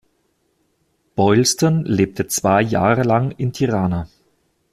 Boylston lebte zwei Jahre lang in Tirana.